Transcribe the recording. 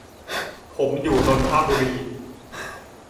ผมอยู่นนทบุรี